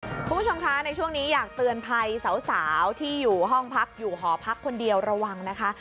คุณผู้ชมคะในช่วงนี้อยากเตือนภัยสาวที่อยู่ห้องพักอยู่หอพักคนเดียวระวังนะคะ